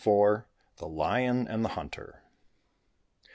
THE LION AND THE HUNTER.